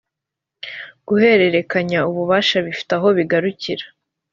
guhererekanya ububasha bifite aho bigarukira